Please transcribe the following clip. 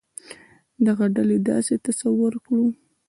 دغه ډلې داسې تصور کړو.